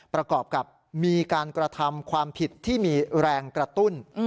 ประกอบกับมีการกระทำความผิดที่มีแรงกระตุ้น